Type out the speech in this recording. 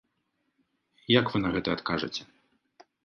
Як вы на гэта адкажаце?